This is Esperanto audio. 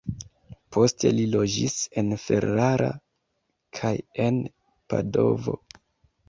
Poste li loĝis en Ferrara kaj en Padovo.